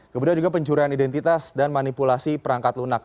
kemudian juga pencurian identitas dan manipulasi perangkat lunak